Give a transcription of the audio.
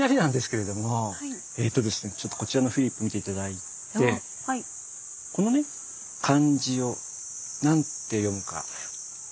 えとですねちょっとこちらのフリップ見て頂いてこのね漢字を何て読むかご存じですかね？